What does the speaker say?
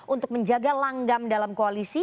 untuk menjaga langgam dalam koalisi